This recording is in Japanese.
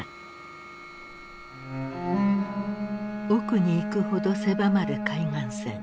奥に行くほど狭まる海岸線。